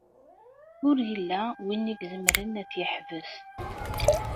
Ur yella win izemren ad t-yeḥbes.